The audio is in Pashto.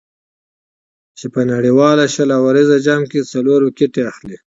چې په یو نړیوال شل اوریز جام کې څلور ویکټې اخلي.